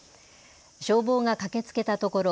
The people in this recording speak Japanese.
消防が駆けつけたところ